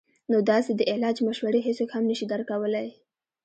نو داسې د علاج مشورې هيڅوک هم نشي درکولے -